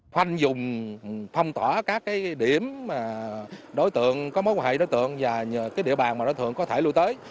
khoanh dùng phong tỏa các cái điểm đối tượng có mối quan hệ đối tượng và cái địa bàn mà đối tượng có thể lưu tới